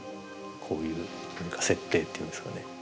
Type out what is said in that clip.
こういう設定っていうんですかね。